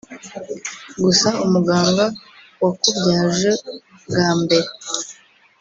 gusa umuganga wakubyaje bwa mbere